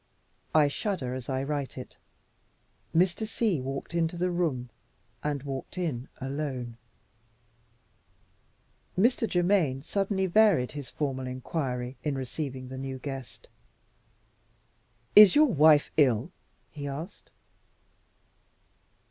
I shudder as I write it. Mr. C walked into the room and walked in, alone. Mr. Germaine suddenly varied his formal inquiry in receiving the new guest. "Is your wife ill?" he asked.